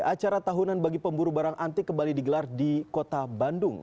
acara tahunan bagi pemburu barang antik kembali digelar di kota bandung